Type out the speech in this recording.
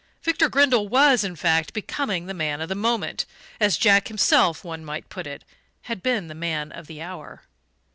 Victor Grindle was, in fact, becoming the man of the moment as Jack himself, one might put it, had been the man of the hour.